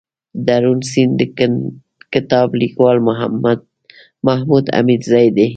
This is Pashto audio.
دروڼ سيند دکتاب ليکوال محمودحميدزى دئ